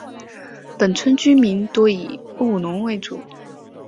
本村居民多以务农为生。